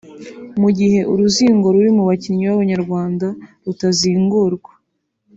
Mu gihe uruzingo ruri mu bakinnyi b’abanyarwanda rutazingurwa